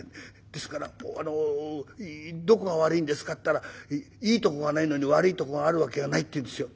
「ですからあのどこが悪いですかって言ったらいいとこがないのに悪いとこがある訳がないって言うんですよ。